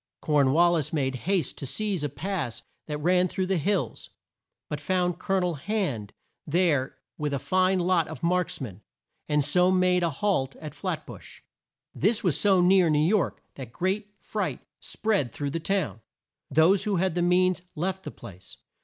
Corn wal lis made haste to seize a pass that ran through the hills, but found Col o nel Hand there with a fine lot of marks men, and so made a halt at Flat bush. This was so near New York that great fright spread through the town. Those who had the means left the place.